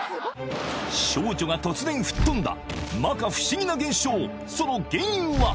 少女が突然吹っ飛んだ摩訶不思議な映像その原因は？